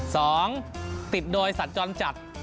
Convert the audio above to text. สองติดโดยสัตว์จรจัด